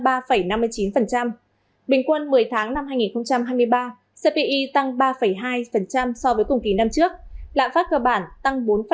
bình quân một mươi tháng năm hai nghìn hai mươi ba cpi tăng ba hai so với cùng kỳ năm trước lạm phát cơ bản tăng bốn ba